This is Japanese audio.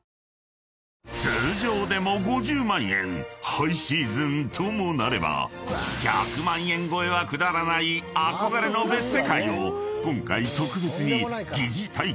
［ハイシーズンともなれば１００万円超えはくだらない憧れの別世界を今回］